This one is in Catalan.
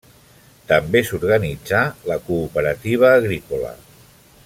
També s'organitzà la cooperativa agrícola.